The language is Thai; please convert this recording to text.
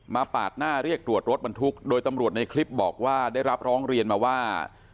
ปาดหน้าเรียกตรวจรถบรรทุกโดยตำรวจในคลิปบอกว่าได้รับร้องเรียนมาว่า